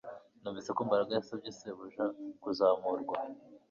Numvise ko Mbaraga yasabye shebuja kuzamurwa